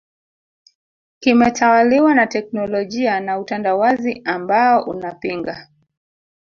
kimetawaliwa na teknolojia na utandawazi ambao unapinga